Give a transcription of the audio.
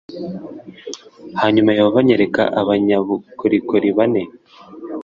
hanyuma yehova anyereka abanyabukorikori bane